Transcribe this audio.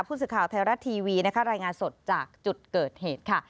ผู้สื่อข่าวไทยรัฐทีวีนะคะรายงานสดจากจุดเกิดเหตุค่ะ